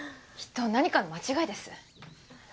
きっと何かの間違いです。